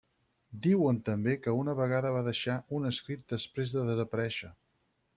Diuen també que una vegada va deixar un escrit després de desaparèixer.